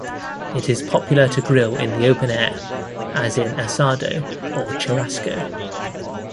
It is popular to grill in the open air as in asado or churrasco.